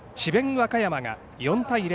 和歌山が４対０